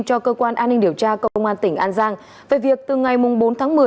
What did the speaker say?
cho cơ quan an ninh điều tra công an tỉnh an giang về việc từ ngày bốn tháng một mươi